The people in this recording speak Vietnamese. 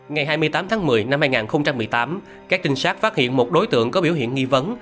ngày hai mươi tám tháng một mươi năm hai nghìn một mươi tám các trinh sát phát hiện một đối tượng có biểu hiện nghi vấn